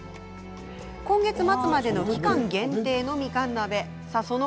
今月末までの期間限定みかん鍋です。